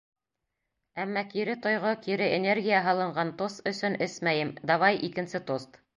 Әммә кире тойғо, кире энергия һалынған тост өсөн эсмәйем, давай, икенсе тост!